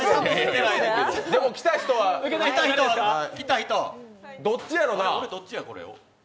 来た人はどっちやろな。